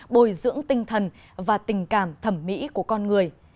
bồi dưỡng tinh thần và tình cảm thẩm mỹ của con người